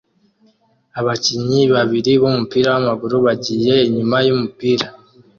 Abakinnyi babiri b'umupira w'amaguru bagiye inyuma yumupira